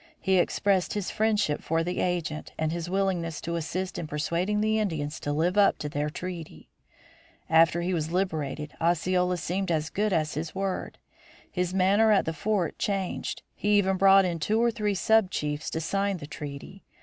He expressed his friendship for the agent and his willingness to assist in persuading the Indians to live up to their treaty. After he was liberated Osceola seemed as good as his word. His manner at the Fort changed. He even brought in two or three sub chiefs to sign the treaty.